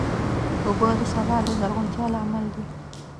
اوبه د سبا د زرغونتیا لامل دي.